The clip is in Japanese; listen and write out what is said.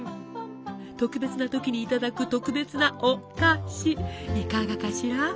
特別な時にいただく特別なお菓子いかがかしら？